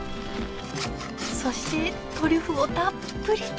そしてトリュフをたっぷり堪能！